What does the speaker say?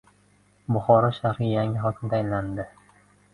Buxoro shahriga yangi hokim tayinlandi